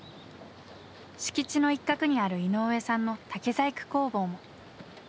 敷地の一角にある井上さんの竹細工工房も。